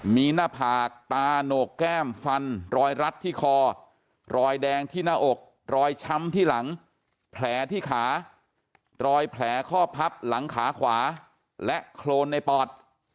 มีหน้าผากตาโหนกแก้มฟันรอยรัดที่คอรอยแดงที่หน้าอกรอยช้ำที่หลังแผลที่ขารอยแผลข้อพับหลังขาขวาและโครนในปอด